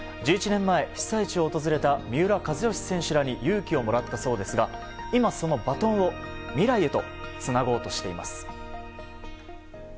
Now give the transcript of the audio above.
１１年前、被災地を訪れた三浦知良選手らに勇気をもらったそうですが今、そのバトンを未来へとつなごうとしています。